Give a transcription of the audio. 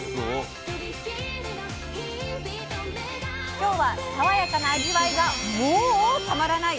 今日は爽やかな味わいがモたまらない！